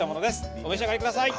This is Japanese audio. お召し上がりください。